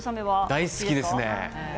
大好きですね。